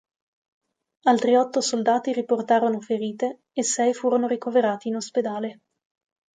Altri otto soldati riportarono ferite e sei furono ricoverati in ospedale.